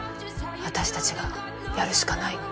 私達がやるしかないの。